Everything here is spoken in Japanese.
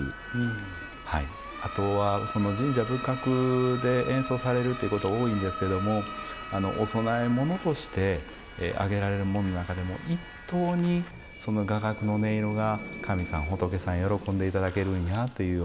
あとはその神社仏閣で演奏されるってこと多いんですけどもお供え物として挙げられるもんの中でも一等にその雅楽の音色が神さん仏さん喜んで頂けるんやというようにもいわれてますね。